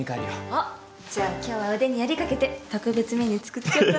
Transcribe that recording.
おっじゃあ今日は腕によりをかけて特別メニュー作っちゃおうかな。